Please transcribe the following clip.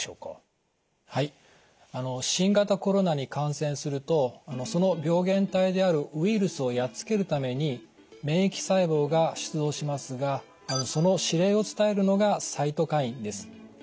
新型コロナに感染するとその病原体であるウイルスをやっつけるために免疫細胞が出動しますがその司令を伝えるのがサイトカインです。